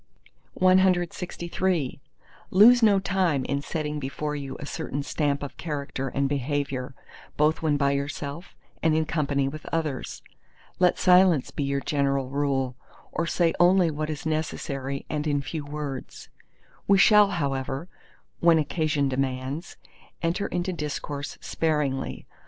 CLXIV Lose no time in setting before you a certain stamp of character and behaviour both when by yourself and in company with others. Let silence be your general rule; or say only what is necessary and in few words. We shall, however, when occasion demands, enter into discourse sparingly.